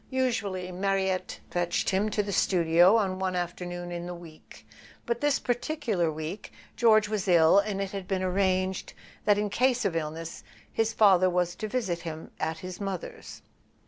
Usually Mariette fetched him to the studio on one afternoon in the week; but this partic¬ ular week George was ill, and it had been arranged that in case of illness his father was to visit him at his mother's.